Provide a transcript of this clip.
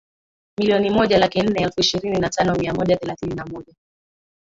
milioni moja laki nne elfu ishirini na tano mia moja thelathini na moja